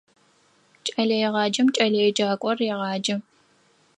Кӏэлэегъаджэм кӏэлэеджакӏор регъаджэ.